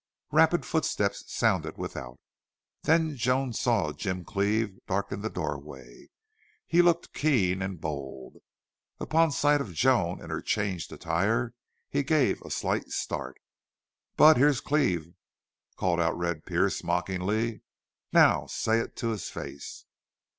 Rapid footsteps sounded without. Then Joan saw Jim Cleve darken the doorway. He looked keen and bold. Upon sight of Joan in her changed attire he gave a slight start. "Budd, here's Cleve," called out Red Pearce, mockingly. "Now, say it to his face!"